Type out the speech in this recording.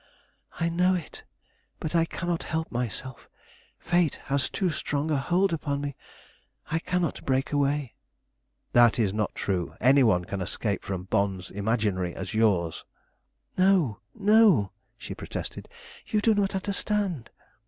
"I know it; but I cannot help myself. Fate has too strong a hold upon me; I cannot break away." "That is not true. Any one can escape from bonds imaginary as yours." "No, no," she protested; "you do not understand."